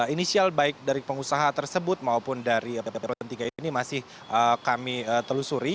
inisial baik dari pengusaha tersebut maupun dari pejabat eselon tiga ini masih kami telusuri